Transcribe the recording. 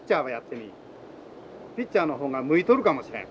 ピッチャーの方が向いとるかもしれん。